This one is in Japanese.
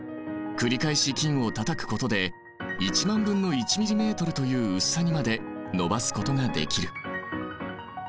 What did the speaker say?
繰り返し金をたたくことで１万分の１ｍｍという薄さにまで延ばすことができる。